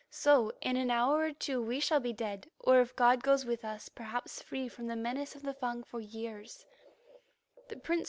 So in an hour or two we shall be dead, or if God goes with us, perhaps free from the menace of the Fung for years."